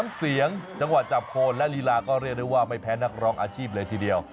เสียงจังหวะจับโคนและลีลาก็เรียกได้ว่าไม่แพ้นักร้องอาชีพเลยทีเดียว